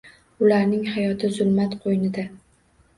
Ularning hayoti – zulmat qo’ynida